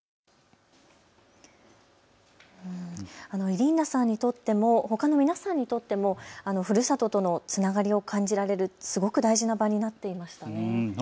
イリーナさんにとってもほかの皆さんにとってもふるさととのつながりを感じられるすごく大事な場になっていましたね。